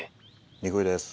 憎いです。